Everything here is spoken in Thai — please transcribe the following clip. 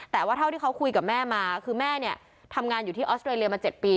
แต่ว่าเท่าที่เขาคุยกับแม่มาคือแม่เนี่ยทำงานอยู่ที่ออสเตรเลียมา๗ปี